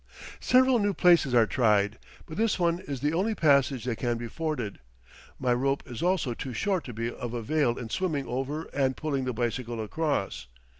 Several new places are tried, but this one is the only passage that can be forded. My rope is also too short to be of avail in swimming over and pulling the bicycle across.